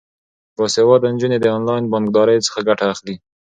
باسواده نجونې د انلاین بانکدارۍ څخه ګټه اخلي.